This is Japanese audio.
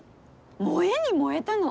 燃えに燃えたの。